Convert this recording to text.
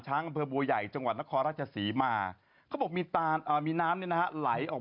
ก็ยังมีชั้นน้ำไหลออกมาอยู่นี่